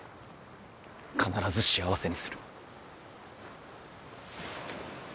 必ず幸せにする。